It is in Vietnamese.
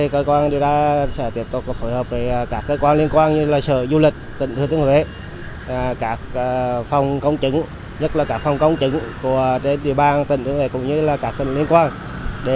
cơ quan điều tra đang tiếp tục làm rõ xác định trách nhiệm và những vi phạm của các cá nhân tổ chức có liên quan đúng tội đúng pháp luật